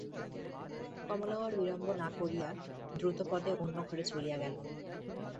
কমলাও আর বিলম্ব না করিয়া দ্রুতপদে অন্য ঘরে চলিয়া গেল।